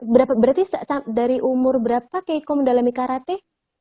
berarti dari umur berapa keiko mendalami karate